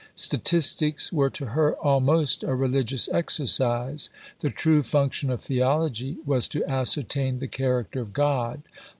Statistics were to her almost a religious exercise. The true function of theology was to ascertain "the character of God."